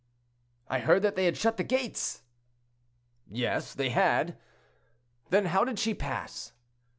"I heard that they had shut the gates." "Yes, they had." "Then, how did she pass."